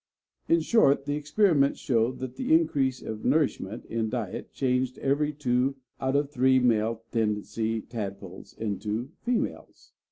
In short, the experiments showed that the increase of nourishment in diet changed every two out of three male tendency tadpoles into females.